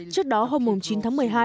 trước đó hôm chín tháng một mươi hai